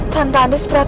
tante andes beratnya